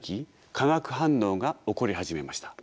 化学反応が起こり始めました。